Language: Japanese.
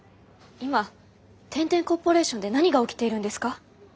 今天・天コーポレーションで何が起きているんですか？